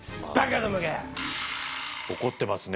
怒ってますね。